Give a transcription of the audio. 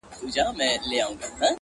د اباسین څپې دي یوسه کتابونه-